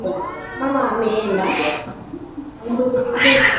Mama ameenda